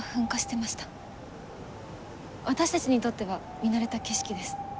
私たちにとっては見慣れた景色です。